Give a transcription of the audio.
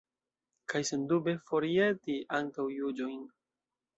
Kaj sendube forjeti antaŭjuĝojn.